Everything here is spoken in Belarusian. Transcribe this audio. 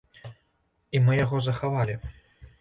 І мы яго захавалі.